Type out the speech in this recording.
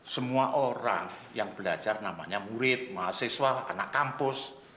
semua orang yang belajar namanya murid mahasiswa anak kampus